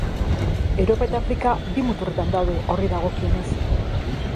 Europa eta Afrika bi muturretan daude horri dagokionez.